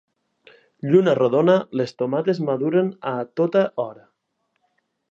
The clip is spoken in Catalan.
Lluna rodona, les tomates maduren a tota hora.